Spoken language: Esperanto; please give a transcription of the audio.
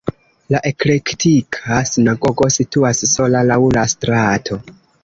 La eklektika sinagogo situas sola laŭ la strato.